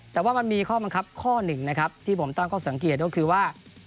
แต่ว่ามันมีข้อบังคับข้อหนึ่งนะครับที่ผมตั้งข้อสังเกตก็คือว่า